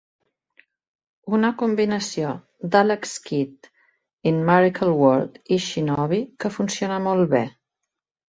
Una combinació d'"Alex Kidd in Miracle World" i "Shinobi" que funciona molt bé.